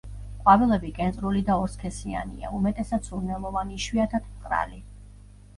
ყვავილები კენწრული და ორსქესიანია, უმეტესად სურნელოვანი, იშვიათად მყრალი.